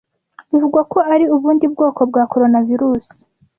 bivugwa ko ari ubundi bwoko bwa coronavirus